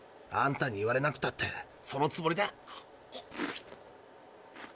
あんたに言われなくたってそのつもりだ。